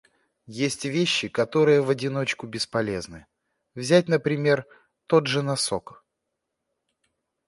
Есть вещи, которые в одиночку бесполезны. Взять, например, тот же носок.